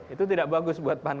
itu tidak bagus buat pan